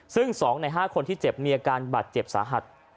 ซึ่ง๒ใน๕คนที่เจ็บมีอาการบาดเจ็บสาหัส